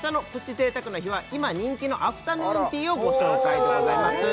贅沢の日は今人気のアフタヌーンティーをご紹介でございます